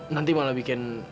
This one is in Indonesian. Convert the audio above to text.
nanti malah bikin